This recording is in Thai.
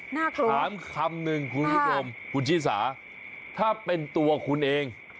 ถามคำหนึ่งคุณผู้ชมคุณชิสาถ้าเป็นตัวคุณเอง